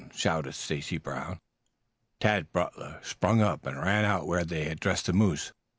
shouted Stacy Brown. Tad Butler sprang up and ran out where they had dressed the moose.